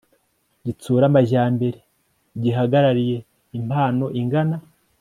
gitsura amajyambere gihagarariye impano ingana